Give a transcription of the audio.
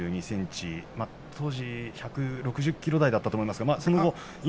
１ｍ９２ｃｍ当時１６０ｋｇ台だったと思います。